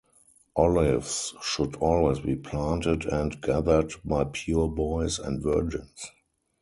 Olives should always be planted and gathered by pure boys and virgins.